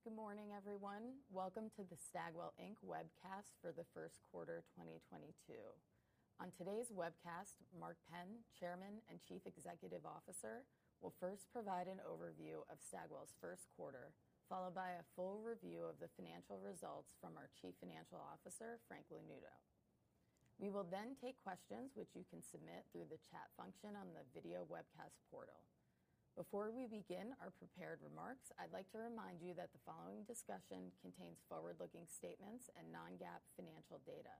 Good morning, everyone. Welcome to the Stagwell Inc. webcast for the first quarter 2022. On today's webcast, Mark Penn, Chairman and Chief Executive Officer, will first provide an overview of Stagwell's first quarter, followed by a full review of the financial results from our Chief Financial Officer, Frank Lanuto. We will then take questions which you can submit through the chat function on the video webcast portal. Before we begin our prepared remarks, I'd like to remind you that the following discussion contains forward-looking statements and non-GAAP financial data.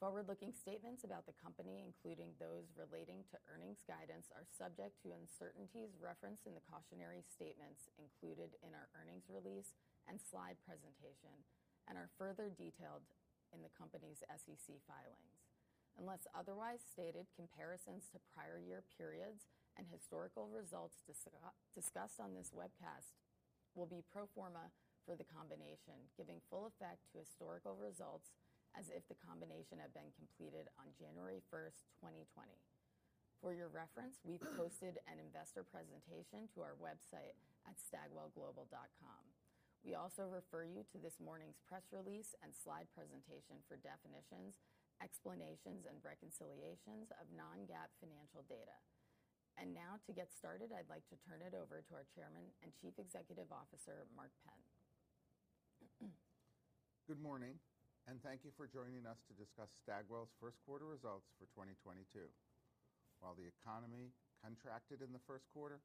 Forward-looking statements about the Company, including those relating to earnings guidance, are subject to uncertainties referenced in the cautionary statements included in our earnings release and slide presentation and are further detailed in the Company's SEC filings. Unless otherwise stated, comparisons to prior year periods and historical results discussed on this webcast will be pro forma for the combination, giving full effect to historical results as if the combination had been completed on January 1st, 2020. For your reference, we posted an investor presentation to our website at stagwellglobal.com. We also refer you to this morning's press release and slide presentation for definitions, explanations and reconciliations of non-GAAP financial data. Now to get started, I'd like to turn it over to our Chairman and Chief Executive Officer, Mark Penn. Good morning, and thank you for joining us to discuss Stagwell's first quarter results for 2022. While the economy contracted in the first quarter,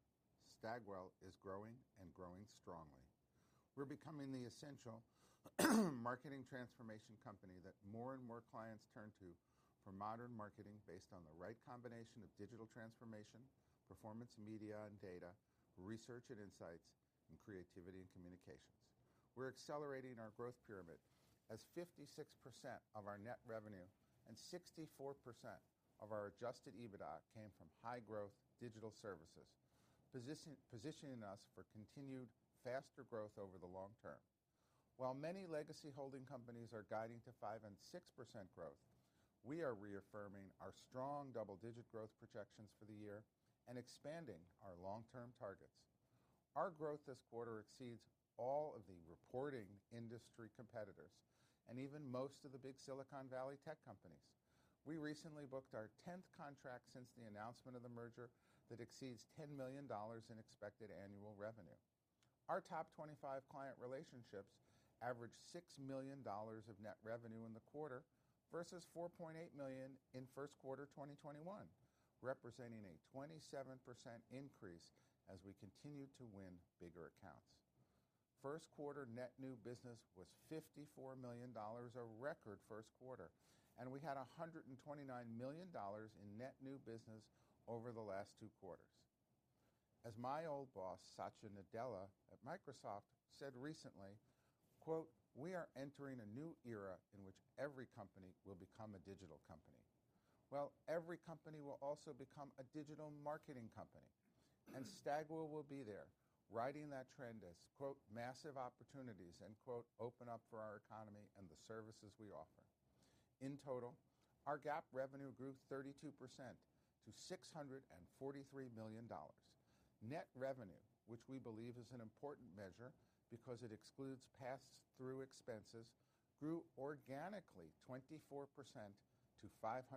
Stagwell is growing and growing strongly. We're becoming the essential marketing transformation company that more and more clients turn to for modern marketing based on the right combination of digital transformation, performance media and data, research and insights, and creativity and communications. We're accelerating our growth pyramid as 56% of our net revenue and 64% of our adjusted EBITDA came from high growth digital services, positioning us for continued faster growth over the long-term. While many legacy holding companies are guiding to 5% and 6% growth, we are reaffirming our strong double-digit growth projections for the year and expanding our long-term targets. Our growth this quarter exceeds all of the reporting industry competitors and even most of the big Silicon Valley tech companies. We recently booked our 10th contract since the announcement of the merger that exceeds $10 million in expected annual revenue. Our top 25 client relationships averaged $6 million of net revenue in the quarter versus $4.8 million in first quarter 2021, representing a 27% increase as we continue to win bigger accounts. First quarter net new business was $54 million, a record first quarter, and we had $129 million in net new business over the last two quarters. As my old boss, Satya Nadella at Microsoft said recently, quote, "We are entering a new era in which every company will become a digital company." Well, every company will also become a digital marketing company, and Stagwell will be there riding that trend as, "massive opportunities," open up for our economy and the services we offer. In total, our GAAP revenue grew 32% to $643 million. Net revenue, which we believe is an important measure because it excludes pass through expenses, grew organically 24% to $527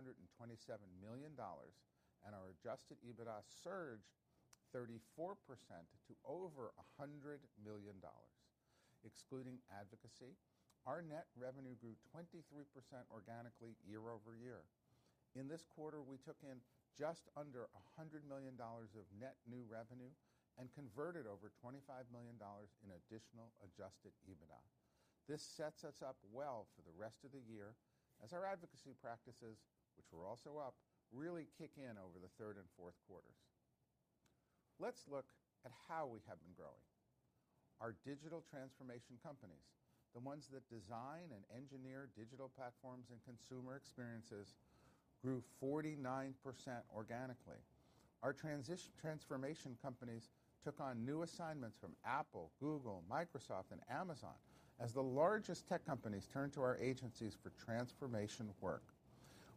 million, and our adjusted EBITDA surged 34% to over $100 million. Excluding advocacy, our net revenue grew 23% organically year-over-year. In this quarter, we took in just under $100 million of net new revenue and converted over $25 million in additional adjusted EBITDA. This sets us up well for the rest of the year as our advocacy practices, which were also up, really kick in over the third and fourth quarters. Let's look at how we have been growing. Our digital transformation companies, the ones that design and engineer digital platforms and consumer experiences, grew 49% organically. Our transformation companies took on new assignments from Apple, Google, Microsoft and Amazon as the largest tech companies turned to our agencies for transformation work.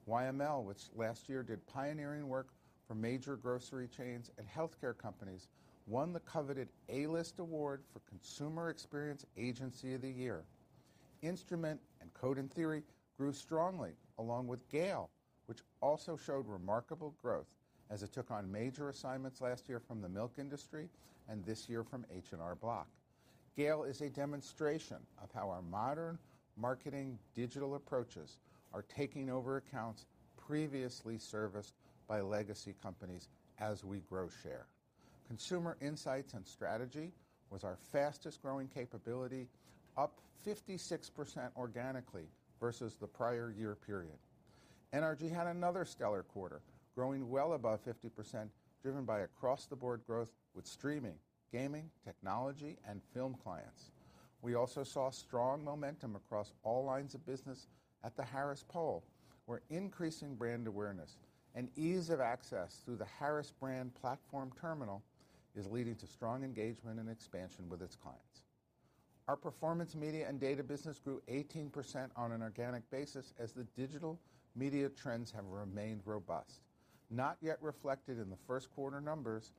YML, which last year did pioneering work for major grocery chains and healthcare companies, won the coveted A-List Award for Consumer Experience Agency of the Year. Instrument and Code and Theory grew strongly along with GALE, which also showed remarkable growth as it took on major assignments last year from the milk industry and this year from H&R Block. GALE is a demonstration of how our modern marketing digital approaches are taking over accounts previously serviced by legacy companies as we grow share. Consumer insights and strategy was our fastest growing capability, up 56% organically versus the prior year period. NRG had another stellar quarter, growing well above 50%, driven by across the board growth with streaming, gaming, technology and film clients. We also saw strong momentum across all lines of business at The Harris Poll, where increasing brand awareness and ease of access through the Harris Brand Platform terminal is leading to strong engagement and expansion with its clients. Our performance media and data business grew 18% on an organic basis as the digital media trends have remained robust. Not yet reflected in the first quarter numbers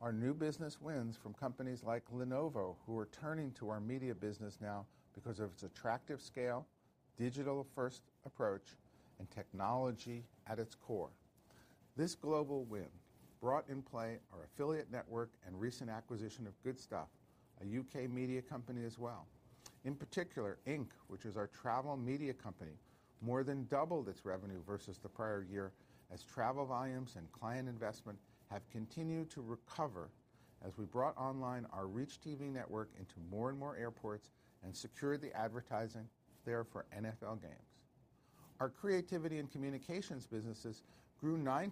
are new business wins from companies like Lenovo, who are turning to our media business now because of its attractive scale, digital-first approach, and technology at its core. This global win brought in play our affiliate network and recent acquisition of Goodstuff, a U.K. media company as well. In particular, Ink, which is our travel media company, more than doubled its revenue versus the prior year as travel volumes and client investment have continued to recover as we brought online our ReachTV network into more and more airports and secured the advertising there for NFL games. Our creativity and communications businesses grew 9%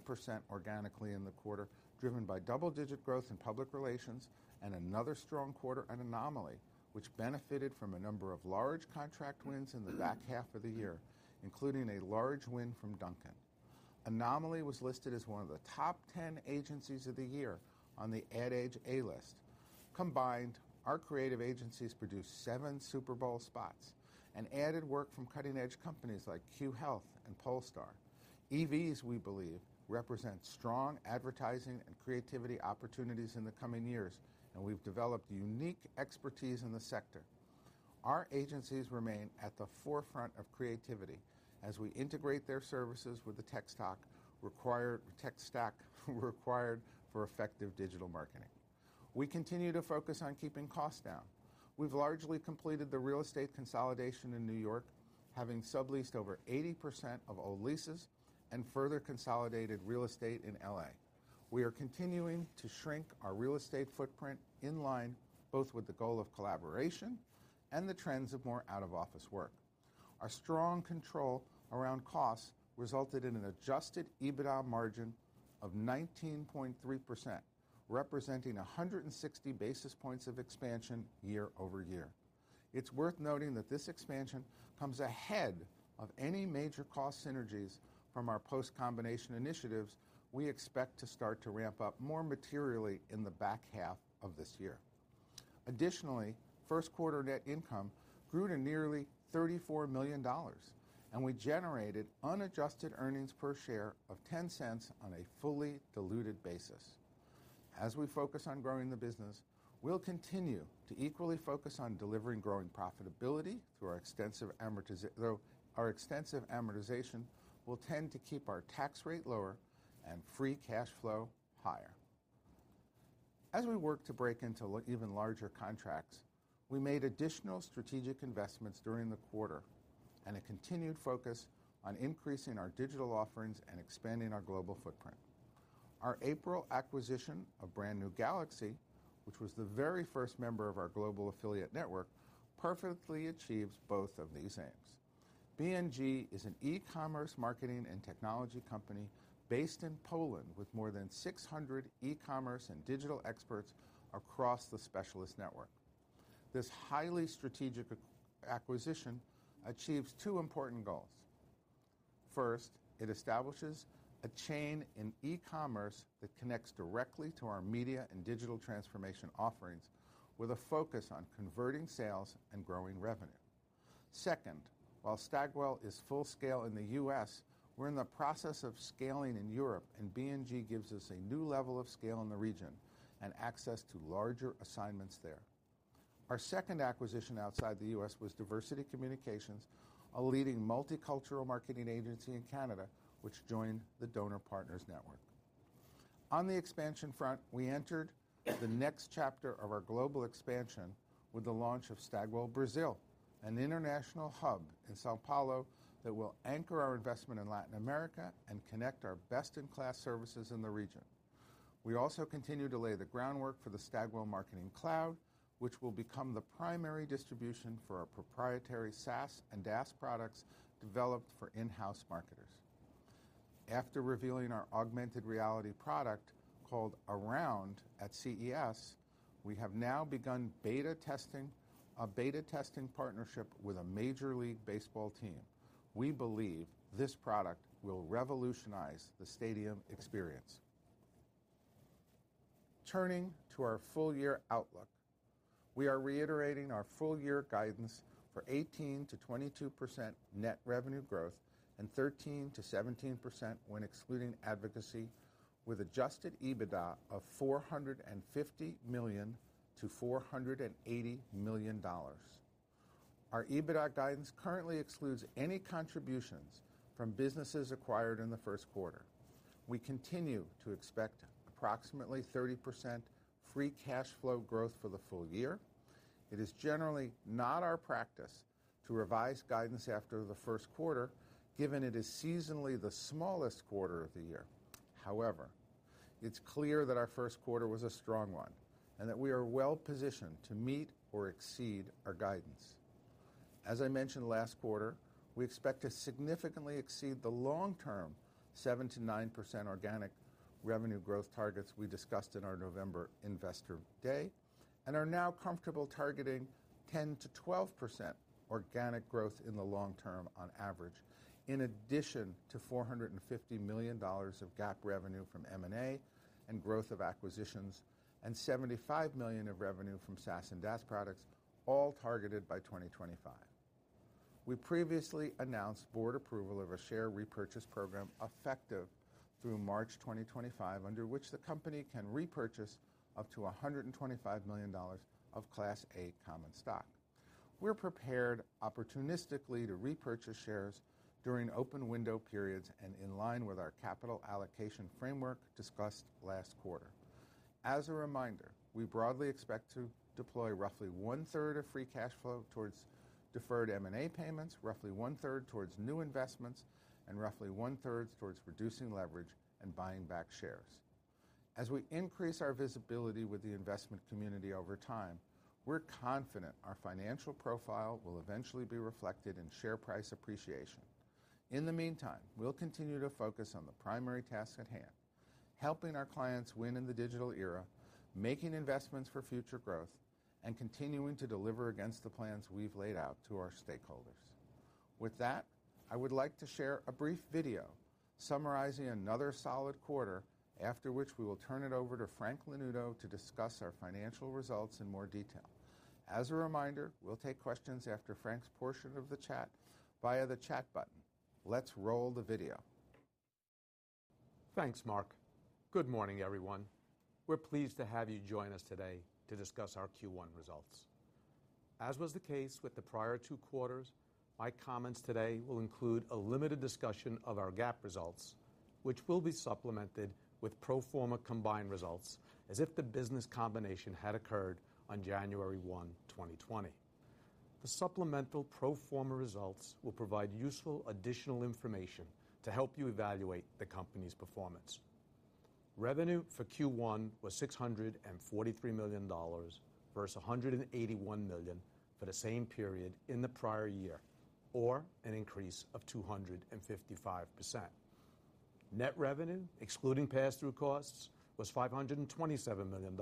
organically in the quarter, driven by double-digit growth in public relations and another strong quarter at Anomaly, which benefited from a number of large contract wins in the back half of the year, including a large win from Dunkin'. Anomaly was listed as one of the top 10 agencies of the year on the Ad Age A-List. Combined, our creative agencies produced seven Super Bowl spots and added work from cutting-edge companies like Cue Health and Polestar. EVs, we believe, represent strong advertising and creativity opportunities in the coming years, and we've developed unique expertise in the sector. Our agencies remain at the forefront of creativity as we integrate their services with the tech stack required for effective digital marketing. We continue to focus on keeping costs down. We've largely completed the real estate consolidation in New York, having subleased over 80% of old leases and further consolidated real estate in L.A. We are continuing to shrink our real estate footprint in line both with the goal of collaboration and the trends of more out-of-office work. Our strong control around costs resulted in an adjusted EBITDA margin of 19.3%, representing 160 basis points of expansion year-over-year. It's worth noting that this expansion comes ahead of any major cost synergies from our post-combination initiatives we expect to start to ramp up more materially in the back half of this year. Additionally, first quarter net income grew to nearly $34 million, and we generated unadjusted earnings per share of $0.10 on a fully diluted basis. As we focus on growing the business, we'll continue to equally focus on delivering growing profitability, though our extensive amortization will tend to keep our tax rate lower and free cash flow higher. As we work to break into even larger contracts, we made additional strategic investments during the quarter and a continued focus on increasing our digital offerings and expanding our global footprint. Our April acquisition of Brand New Galaxy, which was the very first member of our global affiliate network, perfectly achieves both of these aims. BNG is an ecommerce marketing and technology company based in Poland with more than 600 ecommerce and digital experts across the specialist network. This highly strategic acquisition achieves two important goals. First, it establishes a chain in ecommerce that connects directly to our media and digital transformation offerings with a focus on converting sales and growing revenue. Second, while Stagwell is full scale in the U.S., we're in the process of scaling in Europe, and BNG gives us a new level of scale in the region and access to larger assignments there. Our second acquisition outside the U.S. was Dyversity Communications, a leading multicultural marketing agency in Canada, which joined the Doner Partners Network. On the expansion front, we entered the next chapter of our global expansion with the launch of Stagwell Brazil, an international hub in São Paulo that will anchor our investment in Latin America and connect our best-in-class services in the region. We also continue to lay the groundwork for the Stagwell Marketing Cloud, which will become the primary distribution for our proprietary SaaS and DaaS products developed for in-house marketers. After revealing our augmented reality product, called ARound, at CES, we have now begun beta testing, a beta-testing partnership with a Major League Baseball team. We believe this product will revolutionize the stadium experience. Turning to our full year outlook, we are reiterating our full year guidance for 18%-22% net revenue growth and 13%-17% when excluding advocacy with adjusted EBITDA of $450 million-$480 million. Our EBITDA guidance currently excludes any contributions from businesses acquired in the first quarter. We continue to expect approximately 30% free cash flow growth for the full year. It is generally not our practice to revise guidance after the first quarter, given it is seasonally the smallest quarter of the year. However, it's clear that our first quarter was a strong one and that we are well positioned to meet or exceed our guidance. As I mentioned last quarter, we expect to significantly exceed the long-term 7%-9% organic revenue growth targets we discussed in our November Investor Day and are now comfortable targeting 10%-12% organic growth in the long-term on average, in addition to $450 million of GAAP revenue from M&A and growth of acquisitions, and $75 million of revenue from SaaS and DaaS products, all targeted by 2025. We previously announced board approval of a share repurchase program effective through March 2025, under which the company can repurchase up to $125 million of Class A common stock. We're prepared opportunistically to repurchase shares during open window periods and in line with our capital allocation framework discussed last quarter. As a reminder, we broadly expect to deploy roughly one-third of free cash flow towards deferred M&A payments, roughly one-third towards new investments, and roughly one-third towards reducing leverage and buying back shares. As we increase our visibility with the investment community over time, we're confident our financial profile will eventually be reflected in share price appreciation. In the meantime, we'll continue to focus on the primary task at hand. Helping our clients win in the digital era, making investments for future growth, and continuing to deliver against the plans we've laid out to our stakeholders. With that, I would like to share a brief video summarizing another solid quarter, after which we will turn it over to Frank Lanuto to discuss our financial results in more detail. As a reminder, we'll take questions after Frank's portion of the chat via the chat button. Let's roll the video. Thanks, Mark. Good morning, everyone. We're pleased to have you join us today to discuss our Q1 results. As was the case with the prior two quarters, my comments today will include a limited discussion of our GAAP results, which will be supplemented with pro forma combined results as if the business combination had occurred on January 1, 2020. The supplemental pro forma results will provide useful additional information to help you evaluate the company's performance. Revenue for Q1 was $643 million, versus $181 million for the same period in the prior year, or an increase of 255%. Net revenue, excluding pass-through costs, was $527 million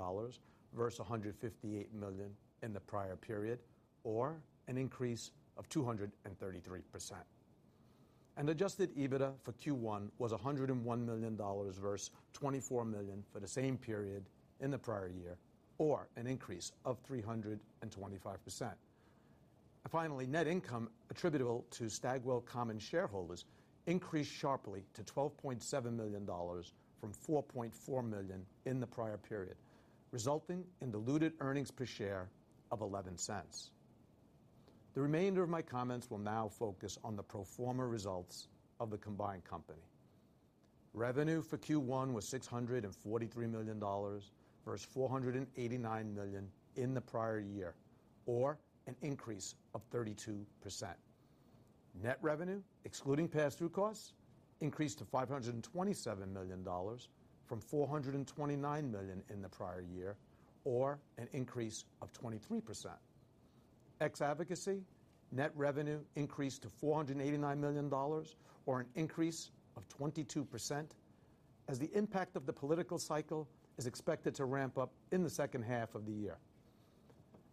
versus $158 million in the prior period, or an increase of 233%. Adjusted EBITDA for Q1 was $101 million versus $24 million for the same period in the prior year, or an increase of 325%. Finally, net income attributable to Stagwell common shareholders increased sharply to $12.7 million from $4.4 million in the prior period, resulting in diluted earnings per share of $0.11. The remainder of my comments will now focus on the pro forma results of the combined company. Revenue for Q1 was $643 million versus $489 million in the prior year, or an increase of 32%. Net revenue, excluding pass-through costs, increased to $527 million from $429 million in the prior year, or an increase of 23%. Excluding advocacy, net revenue increased to $489 million, or an increase of 22%, as the impact of the political cycle is expected to ramp up in the second half of the year.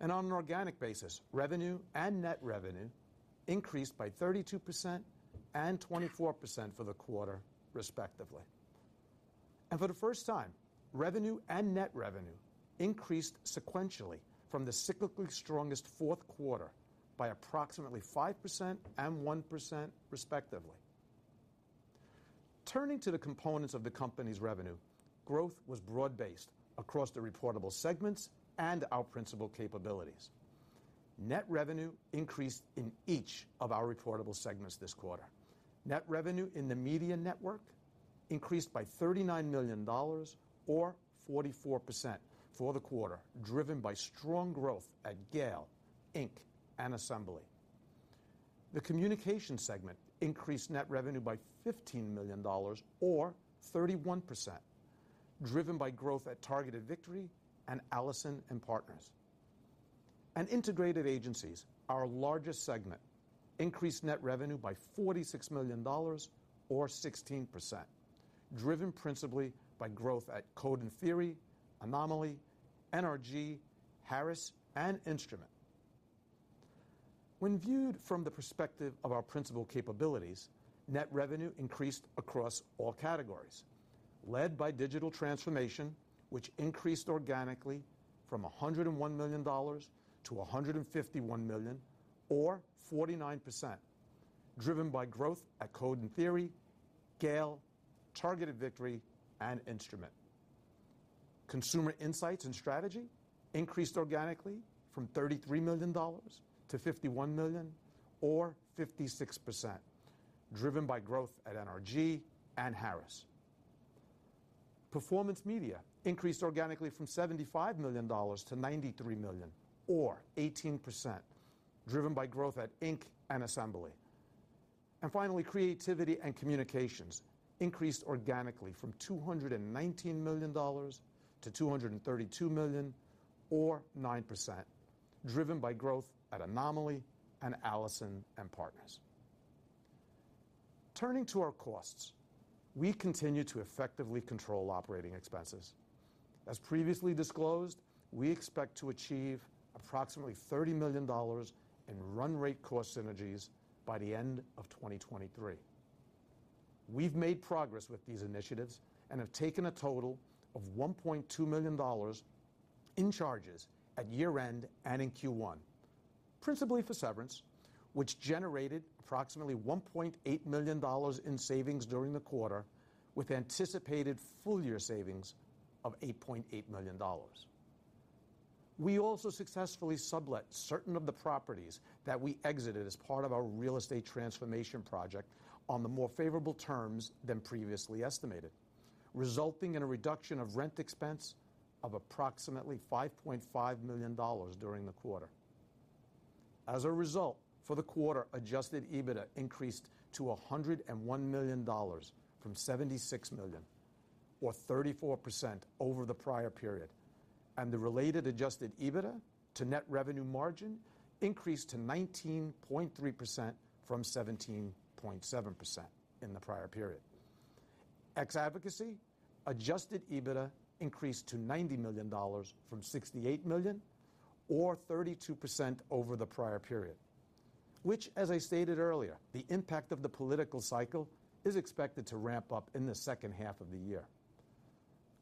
On an organic basis, revenue and net revenue increased by 32% and 24% for the quarter, respectively. For the first time, revenue and net revenue increased sequentially from the cyclically strongest fourth quarter by approximately 5% and 1%, respectively. Turning to the components of the company's revenue, growth was broad-based across the reportable segments and our principal capabilities. Net revenue increased in each of our reportable segments this quarter. Net revenue in the Media Network increased by $39 million or 44% for the quarter, driven by strong growth at GALE, Ink, and Assembly. The Communication segment increased net revenue by $15 million or 31%, driven by growth at Targeted Victory and Allison+Partners. Integrated Agencies, our largest segment, increased net revenue by $46 million or 16%, driven principally by growth at Code and Theory, Anomaly, NRG, Harris, and Instrument. When viewed from the perspective of our principal capabilities, net revenue increased across all categories, led by digital transformation, which increased organically from $101 million to $151 million or 49%, driven by growth at Code and Theory, GALE, Targeted Victory, and Instrument. Consumer insights and strategy increased organically from $33 million to $51 million or 56%, driven by growth at NRG and Harris. Performance media increased organically from $75 million to $93 million or 18%, driven by growth at Ink and Assembly. Finally, creativity and communications increased organically from $219 million to $232 million or 9%, driven by growth at Anomaly and Allison+Partners. Turning to our costs, we continue to effectively control operating expenses. As previously disclosed, we expect to achieve approximately $30 million in run rate cost synergies by the end of 2023. We've made progress with these initiatives and have taken a total of $1.2 million in charges at year-end and in Q1, principally for severance, which generated approximately $1.8 million in savings during the quarter with anticipated full year savings of $8.8 million. We also successfully sublet certain of the properties that we exited as part of our real estate transformation project on the more favorable terms than previously estimated, resulting in a reduction of rent expense of approximately $5.5 million during the quarter. As a result, for the quarter, adjusted EBITDA increased to $101 million from $76 million, or 34% over the prior period. The related adjusted EBITDA to net revenue margin increased to 19.3% from 17.7% in the prior period. Ex Advocacy, adjusted EBITDA increased to $90 million from $68 million, or 32% over the prior period, which as I stated earlier, the impact of the political cycle is expected to ramp up in the second half of the year.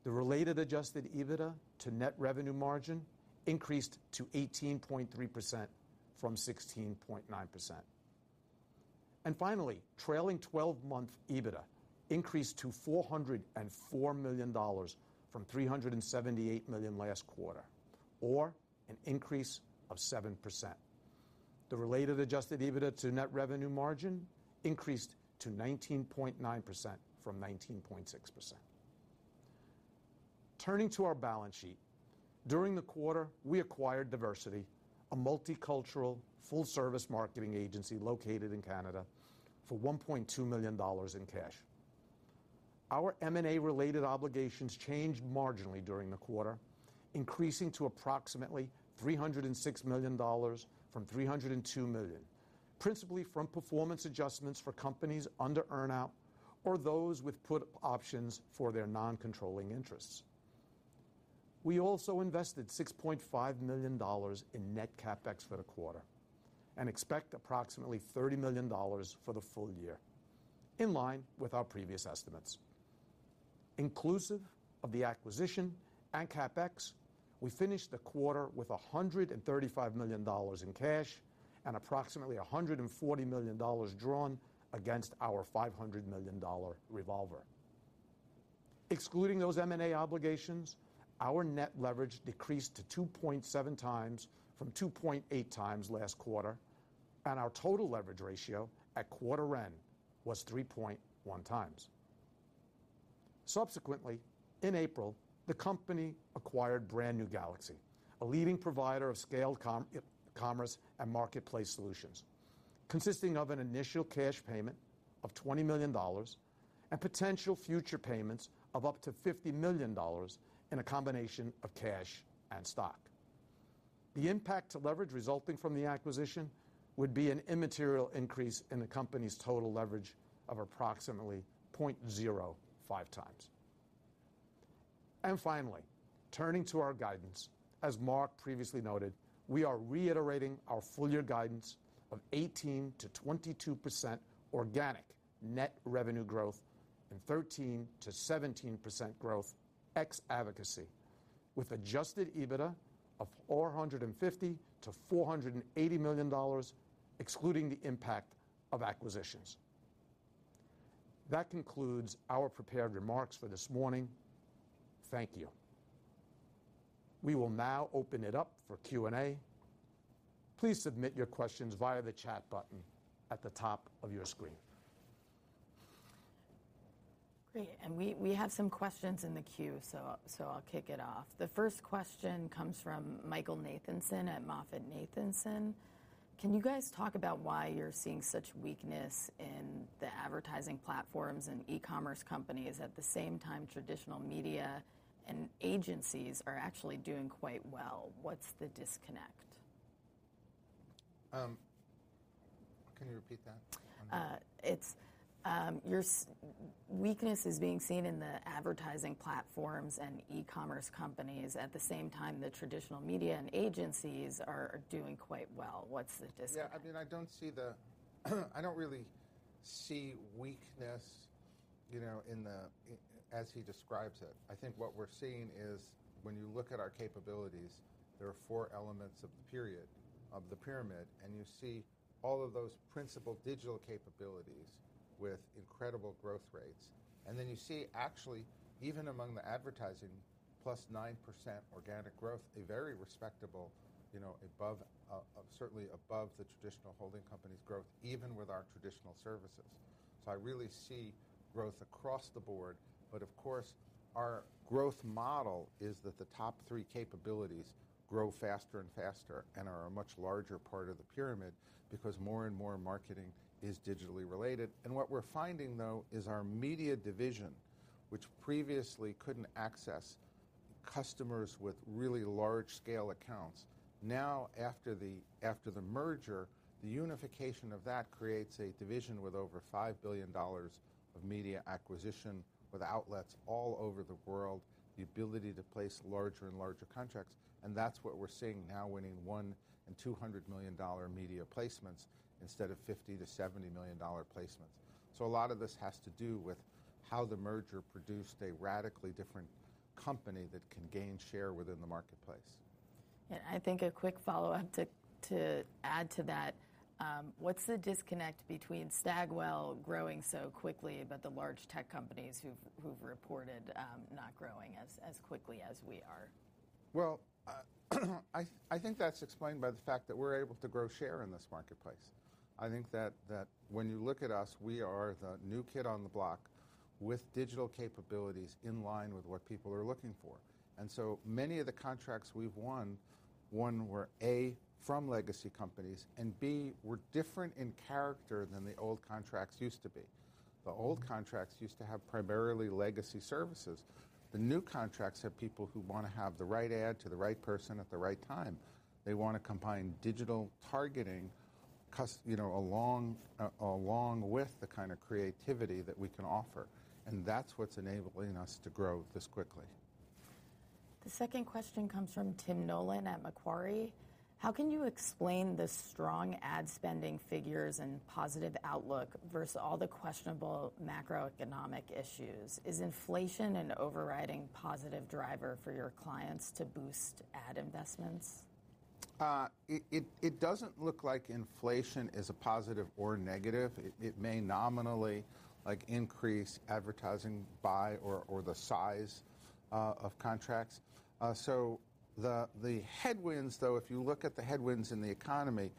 The related adjusted EBITDA to net revenue margin increased to 18.3% from 16.9%. Finally, trailing twelve-month EBITDA increased to $404 million from $378 million last quarter, or an increase of 7%. The related adjusted EBITDA to net revenue margin increased to 19.9% from 19.6%. Turning to our balance sheet. During the quarter, we acquired Dyversity, a multicultural full service marketing agency located in Canada for $1.2 million in cash. Our M&A related obligations changed marginally during the quarter, increasing to approximately $306 million from $302 million, principally from performance adjustments for companies under earn out or those with put options for their non-controlling interests. We also invested $6.5 million in net CapEx for the quarter and expect approximately $30 million for the full year, in line with our previous estimates. Inclusive of the acquisition and CapEx, we finished the quarter with $135 million in cash and approximately $140 million drawn against our $500 million revolver. Excluding those M&A obligations, our net leverage decreased to 2.7x from 2.8x last quarter, and our total leverage ratio at quarter end was 3.1x. Subsequently, in April, the company acquired Brand New Galaxy, a leading provider of scaled e-commerce and marketplace solutions, consisting of an initial cash payment of $20 million and potential future payments of up to $50 million in a combination of cash and stock. The impact to leverage resulting from the acquisition would be an immaterial increase in the company's total leverage of approximately 0.05x. Finally, turning to our guidance, as Mark previously noted, we are reiterating our full year guidance of 18%-22% organic net revenue growth and 13%-17% growth ex Advocacy, with adjusted EBITDA of $450 million-$480 million, excluding the impact of acquisitions. That concludes our prepared remarks for this morning. Thank you. We will now open it up for Q&A. Please submit your questions via the chat button at the top of your screen. Great. We have some questions in the queue, so I'll kick it off. The first question comes from Michael Nathanson at MoffettNathanson. Can you guys talk about why you're seeing such weakness in the advertising platforms and e-commerce companies at the same time traditional media and agencies are actually doing quite well? What's the disconnect? Can you repeat that? It's your weakness is being seen in the advertising platforms and e-commerce companies at the same time, the traditional media and agencies are doing quite well. What's the disconnect? Yeah, I mean, I don't really see weakness, you know, in the. As he describes it. I think what we're seeing is when you look at our capabilities, there are four elements of the pyramid, and you see all of those principal digital capabilities with incredible growth rates. Then you see actually, even among the advertising, +9% organic growth, a very respectable, you know, above, certainly above the traditional holding company's growth, even with our traditional services. I really see growth across the board. Of course, our growth model is that the top three capabilities grow faster and faster and are a much larger part of the pyramid because more and more marketing is digitally related. What we're finding, though, is our media division, which previously couldn't access customers with really large scale accounts. Now, after the merger, the unification of that creates a division with over $5 billion of media acquisition with outlets all over the world, the ability to place larger and larger contracts. That's what we're seeing now, winning $100 million and $200 million media placements instead of $50 million-$70 million media placements. A lot of this has to do with how the merger produced a radically different Company that can gain share within the marketplace. Yeah, I think a quick follow-up to add to that, what's the disconnect between Stagwell growing so quickly but the large tech companies who've reported not growing as quickly as we are? I think that's explained by the fact that we're able to grow share in this marketplace. I think that when you look at us, we are the new kid on the block with digital capabilities in line with what people are looking for. So many of the contracts we've won were, A, from legacy companies, and B, were different in character than the old contracts used to be. The old contracts used to have primarily legacy services. The new contracts have people who wanna have the right ad to the right person at the right time. They wanna combine digital targeting, you know, along with the kind of creativity that we can offer. That's what's enabling us to grow this quickly. The second question comes from Tim Nollen at Macquarie. How can you explain the strong ad spending figures and positive outlook versus all the questionable macroeconomic issues? Is inflation an overriding positive driver for your clients to boost ad investments? It doesn't look like inflation is a positive or negative. It may nominally, like, increase advertising by or the size of contracts. The headwinds though, if you look at the headwinds in the economy,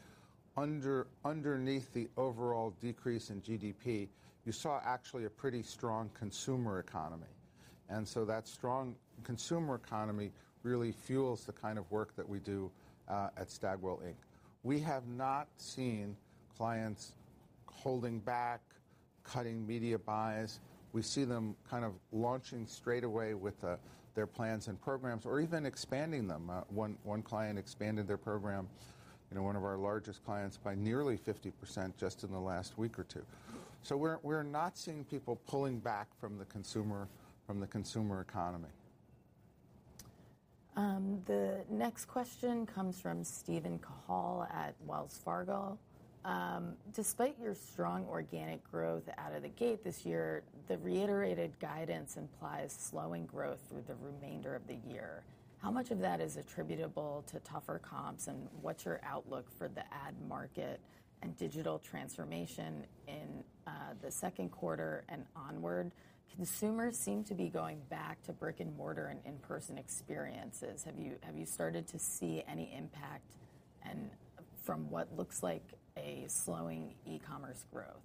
underneath the overall decrease in GDP, you saw actually a pretty strong consumer economy. That strong consumer economy really fuels the kind of work that we do at Stagwell Inc. We have not seen clients holding back, cutting media buys. We see them kind of launching straight away with their plans and programs or even expanding them. One client expanded their program, you know, one of our largest clients, by nearly 50% just in the last week or two. We're not seeing people pulling back from the consumer economy. The next question comes from Steven Cahall at Wells Fargo. Despite your strong organic growth out of the gate this year, the reiterated guidance implies slowing growth through the remainder of the year. How much of that is attributable to tougher comps, and what's your outlook for the ad market and digital transformation in the second quarter and onward? Consumers seem to be going back to brick-and-mortar and in-person experiences. Have you started to see any impact and from what looks like a slowing e-commerce growth?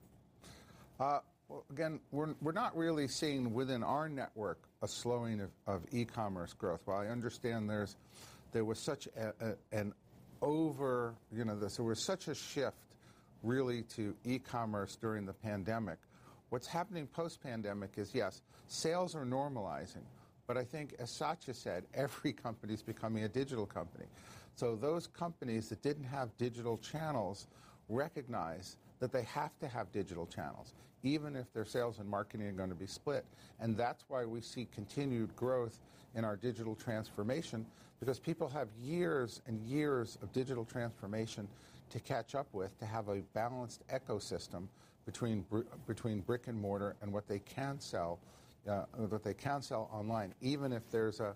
Well, again, we're not really seeing within our network a slowing of e-commerce growth. While I understand there was such a shift, you know, really to e-commerce during the pandemic. What's happening post-pandemic is, yes, sales are normalizing, but I think as Satya said, every company's becoming a digital company. Those companies that didn't have digital channels recognize that they have to have digital channels, even if their sales and marketing are gonna be split. That's why we see continued growth in our digital transformation because people have years and years of digital transformation to catch up with to have a balanced ecosystem between brick-and-mortar and what they can sell, that they can sell online. Even if there's a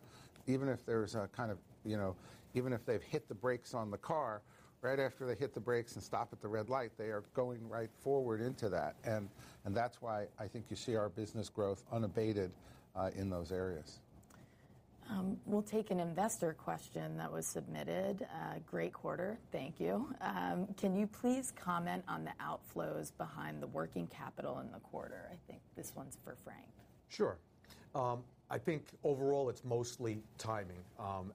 kind of, you know. Even if they've hit the brakes on the car, right after they hit the brakes and stop at the red light, they are going right forward into that. That's why I think you see our business growth unabated in those areas. We'll take an investor question that was submitted. Great quarter. Thank you. Can you please comment on the outflows behind the working capital in the quarter? I think this one's for Frank. Sure. I think overall it's mostly timing.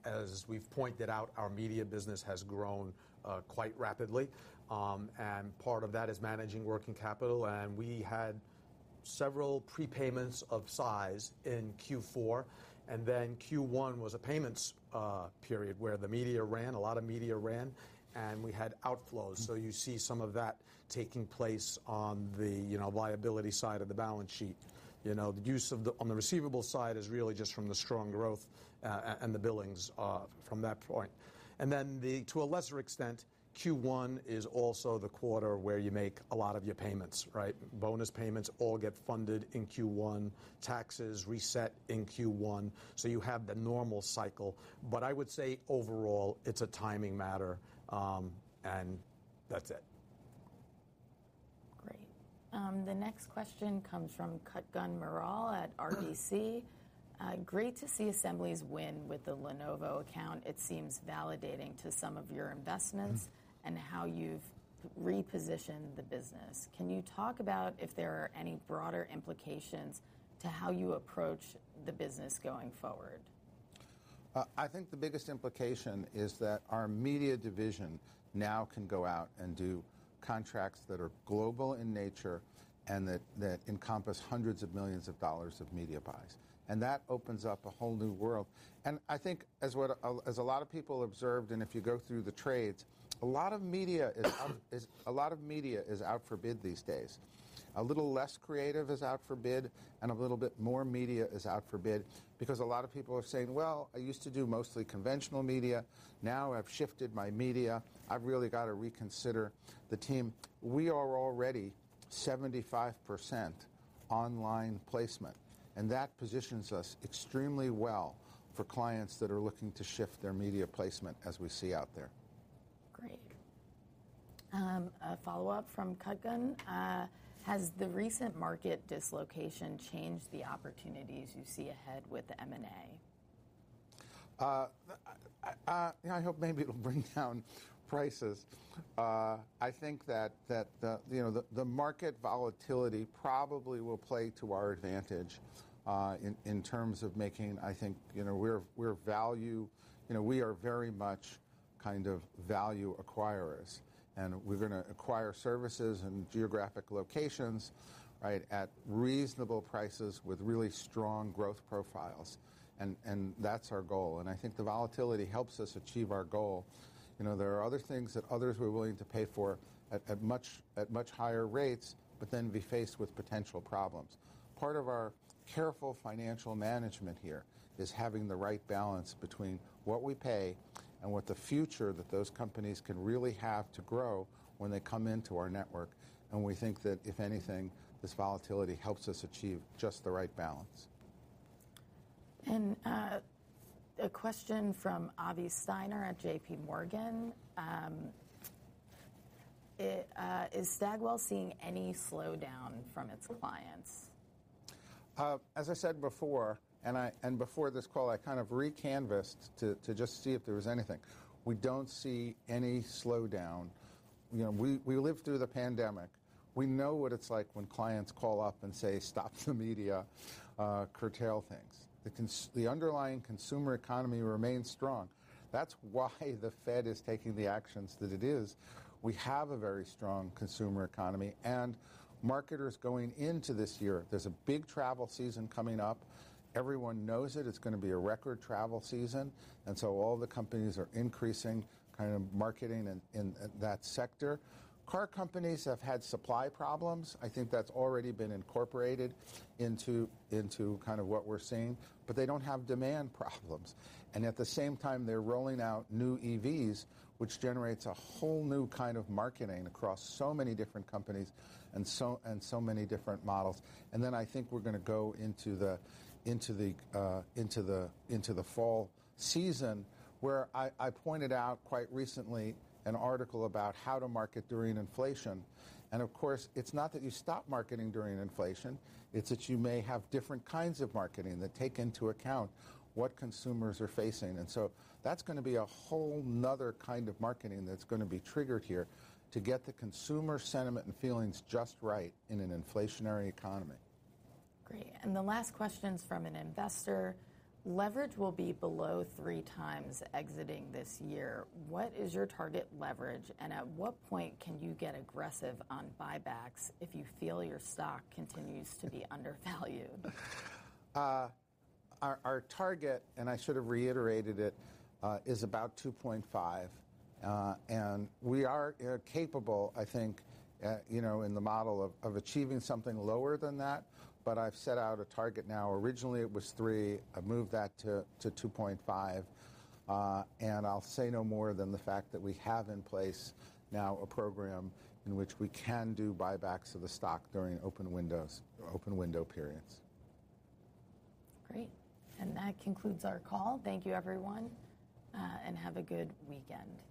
As we've pointed out, our media business has grown quite rapidly. Part of that is managing working capital, and we had several prepayments of size in Q4, and then Q1 was a payment period where a lot of media ran, and we had outflows. You see some of that taking place on the, you know, liability side of the balance sheet. You know, the use on the receivable side is really just from the strong growth and the billings from that point. Then, to a lesser extent, Q1 is also the quarter where you make a lot of your payments, right? Bonus payments all get funded in Q1. Taxes reset in Q1. You have the normal cycle. I would say overall, it's a timing matter, and that's it. Great. The next question comes from Kutgun Maral at RBC. Great to see Assembly's win with the Lenovo account. It seems validating to some of your investments and how you've repositioned the business. Can you talk about if there are any broader implications to how you approach the business going forward? I think the biggest implication is that our media division now can go out and do contracts that are global in nature and that encompass $ hundreds of millions of media buys. That opens up a whole new world. I think as a lot of people observed, and if you go through the trades, a lot of media is out for bid these days. A little less creative is out for bid, and a little bit more media is out for bid because a lot of people are saying, "Well, I used to do mostly conventional media, now I've shifted my media. I've really got to reconsider the team." We are already 75% online placement, and that positions us extremely well for clients that are looking to shift their media placement as we see out there. Great. A follow-up from Kutgun. Has the recent market dislocation changed the opportunities you see ahead with the M&A? You know, I hope maybe it'll bring down prices. I think that the market volatility probably will play to our advantage in terms of making. I think, you know, we're value. You know, we are very much kind of value acquirers, and we're gonna acquire services in geographic locations, right, at reasonable prices with really strong growth profiles. That's our goal. I think the volatility helps us achieve our goal. You know, there are other things that others were willing to pay for at much higher rates, but then be faced with potential problems. Part of our careful financial management here is having the right balance between what we pay and what the future that those companies can really have to grow when they come into our network. We think that, if anything, this volatility helps us achieve just the right balance. A question from Avi Steiner at JPMorgan. Is Stagwell seeing any slowdown from its clients? As I said before and before this call, I kind of re-canvassed to just see if there was anything. We don't see any slowdown. You know, we lived through the pandemic. We know what it's like when clients call up and say, "Stop the media," "Curtail things." The underlying consumer economy remains strong. That's why the Fed is taking the actions that it is. We have a very strong consumer economy and marketers going into this year. There's a big travel season coming up. Everyone knows it. It's gonna be a record travel season, and so all the companies are increasing kind of marketing in that sector. Car companies have had supply problems. I think that's already been incorporated into kind of what we're seeing, but they don't have demand problems. At the same time, they're rolling out new EVs, which generates a whole new kind of marketing across so many different companies and so many different models. Then I think we're gonna go into the fall season where I pointed out quite recently an article about how to market during inflation. Of course, it's not that you stop marketing during inflation, it's that you may have different kinds of marketing that take into account what consumers are facing. That's gonna be a whole nother kind of marketing that's gonna be triggered here to get the consumer sentiment and feelings just right in an inflationary economy. Great. The last question's from an investor. Leverage will be below 3x exiting this year. What is your target leverage, and at what point can you get aggressive on buybacks if you feel your stock continues to be undervalued? Our target, and I should have reiterated it, is about 2.5x. We are capable, I think, you know, in the model of achieving something lower than that. I've set out a target now. Originally, it was 3x. I've moved that to 2.5x. I'll say no more than the fact that we have in place now a program in which we can do buybacks of the stock during open windows or open window periods. Great. That concludes our call. Thank you, everyone, and have a good weekend. Thank you.